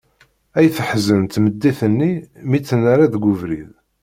Ay teḥzen tmeddit-nni mi tt-nerra deg ubrid!